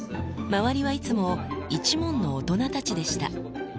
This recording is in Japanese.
周りはいつも一門の大人たちでした。